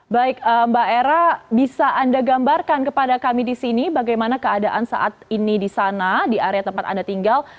baik mbak era bisa anda gambarkan kepada kami di sini bagaimana keadaan saat ini di sana di area tempat anda tinggal